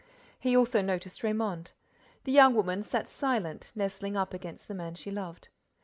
He also noticed Raymonde. The young woman sat silent, nestling up against the man she loved.